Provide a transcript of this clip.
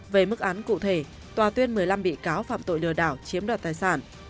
về mức án cụ thể tòa tuyên một mươi năm bị cáo phạm tội lừa đảo chiếm đoạt tài sản